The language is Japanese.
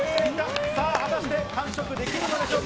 さあ、果たして完食できるのでしょうか？